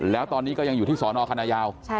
แล้วตอนนี้ก็ยังอยู่ที่สอนอคณะยาว